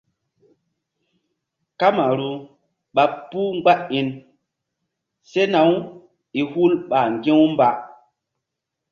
Kamaru ɓa puh mgba iŋ sena-u i hul ɓa ŋgi̧-u mba.